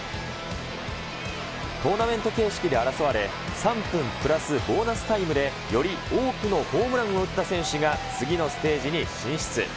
トーナメント形式で争われ、３分プラスボーナスタイムでより多くのホームランを打った選手が次のステージに進出。